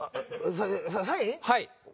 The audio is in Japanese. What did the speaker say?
はい。